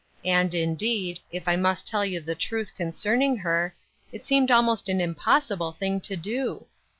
And, indeed, if I must tell you the truth concerning her, it seemed almost an impossible thing to do